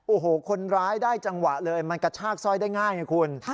โอ้โหคนร้ายได้จังหวะเลยมันกระชากสร้อยได้ง่ายไงคุณ